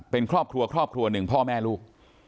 เป็นครอบครัวครอบครัวหนึ่งพ่อแม่ลูก